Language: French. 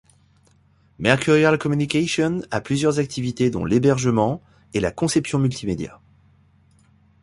Mercurial Communications a plusieurs activités dont l'hébergement, et la conception multimédia.